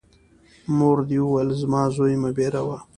مور دي وویل : زما زوی مه بېروه!